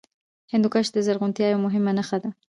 هندوکش د زرغونتیا یوه مهمه نښه ده.